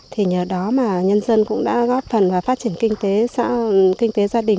thì nhờ đó mà nhân dân cũng đã góp phần vào phát triển kinh tế gia đình